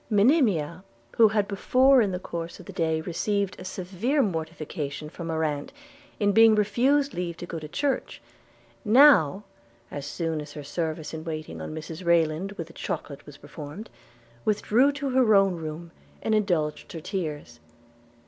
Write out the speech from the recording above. Monimia, who had before in the course of the day received a severe mortification from her aunt, in being refused leave to go to church, now, as soon as her service in waiting on Mrs Rayland with the chocolate was performed, withdrew to her own room, and indulged her tears.